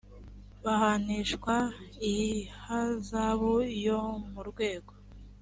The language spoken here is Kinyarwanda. bahanishwa ihazabu yo mu rwego